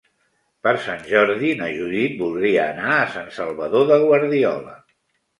Per Sant Jordi na Judit voldria anar a Sant Salvador de Guardiola.